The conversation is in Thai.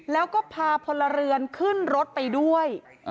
แล้วก็พาพลเรือนขึ้นรถไปด้วย